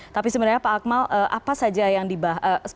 tapi sebenarnya pak akmal apa saja yang dibahas